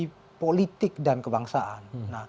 untuk kepentingan politik dan kebangsaan